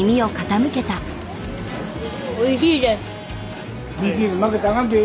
おいしいです。